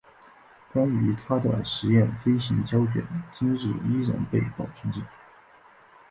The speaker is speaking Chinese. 关于他的试验飞行胶卷今日依然被保存着。